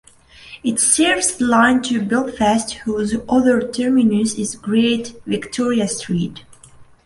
It serves the line to Belfast, whose other terminus is Great Victoria Street.